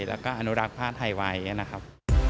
แล้วก็อนุรักษ์ผ้าไทยไว้อย่างนี้นะครับ